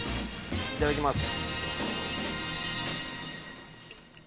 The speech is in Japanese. いただきます。